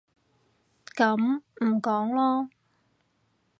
噉唔講囉